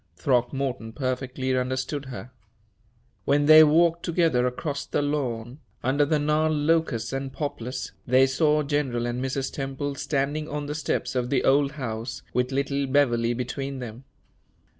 Throckmorton perfectly understood her. When they walked together across the lawn, under the gnarled locusts and poplars, they saw General and Mrs. Temple standing on the steps of the old house, with little Beverley between them.